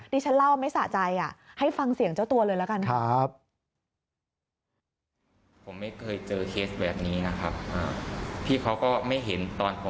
ฉันเล่าไม่สะใจให้ฟังเสียงเจ้าตัวเลยละกันค่ะ